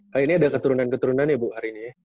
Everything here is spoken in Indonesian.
kali ini ada keturunan keturunan ya bu hari ini ya